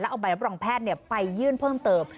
เอาใบรับรองแพทย์ไปยื่นเพิ่มเติม